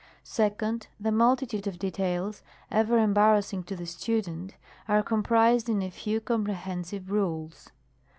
2d. The multitude of details, ever embarrassing to the student, are comprised in a few comprehensive rules.